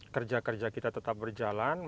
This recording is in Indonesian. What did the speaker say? kerja kerja kita tetap berjalan